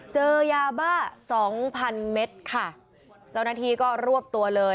เจอยาบ้าสองพันเมตรค่ะเจ้าหน้าที่ก็รวบตัวเลย